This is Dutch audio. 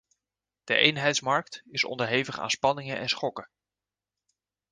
De eenheidsmarkt is onderhevig aan spanningen en schokken.